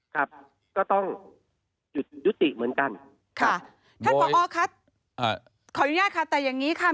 ครับก็ต้องหยุดยุติเหมือนกันค่ะท่านผอครับขออนุญาตค่ะแต่อย่างงี้ค่ะ